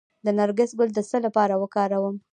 د نرګس ګل د څه لپاره وکاروم؟